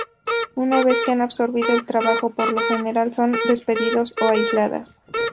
Una vez que han absorbido el trabajo, por lo general son despedidos o aisladas.